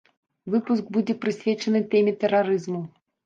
Выпуск будзе прысвечаны тэме тэрарызму.